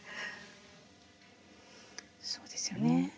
そうですよね。